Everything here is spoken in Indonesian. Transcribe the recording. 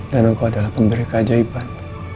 dan engkau adalah pemberi keajaiban